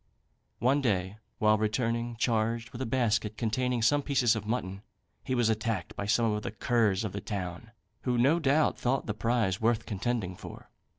One day, while returning charged with a basket containing some pieces of mutton, he was attacked by some of the curs of the town, who, no doubt, thought the prize worth contending for.